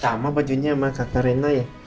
sama bajunya sama kakarena ya